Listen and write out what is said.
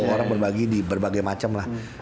orang berbagi di berbagai macam lah